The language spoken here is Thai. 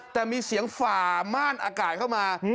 แต่มีเสียงฝ่าม่านอากาศเข้ามา